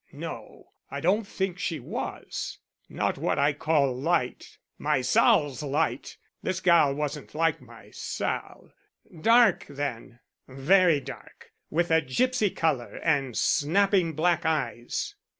"No; I don't think she was. Not what I call light. My Sal's light; this gal wasn't like my Sal." "Dark, then, very dark, with a gipsy color and snapping black eyes?"